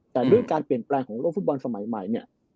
แต่ด้วยการเปลี่ยนแปลงของโลกฟุตบอลสมัยใหม่เนี่ย